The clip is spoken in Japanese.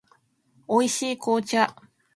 美味しい紅茶